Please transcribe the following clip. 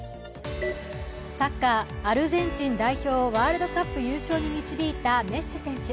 サッカー、アルゼンチン代表をワールドカップ優勝に導いたメッシ選手。